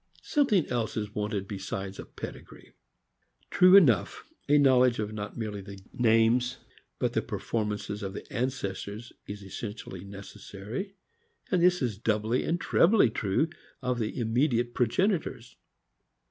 Something else is wanted besides a pedigree. True enough, a knowledge of not merely the names, but the performances of the ancestors is essentially necessary, and this is doubly and trebly true of the immediate progenitors.